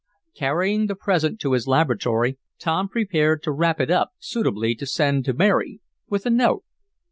Carrying the present to his laboratory, Tom prepared to wrap it up suitably to send to Mary, with a note.